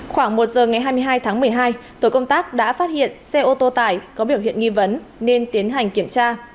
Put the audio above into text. khoảng một giờ ngày hai mươi hai tháng một mươi hai tổ công tác đã phát hiện xe ô tô tải có biểu hiện nghi vấn nên tiến hành kiểm tra